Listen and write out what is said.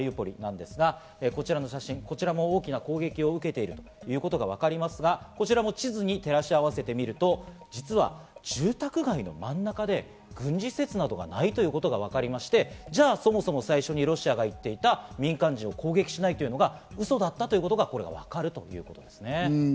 ９日に撮影されたマリウポリなんですが、こちらの写真、大きな攻撃を受けているということがわかりますが、こちらも地図に照らし合わせてみると、実は住宅街の真ん中で軍事施設などがないということがわかりまして、じゃあ、そもそも最初にロシアが言っていた民間人を攻撃しないというのが嘘だったということがわかるということなんですね。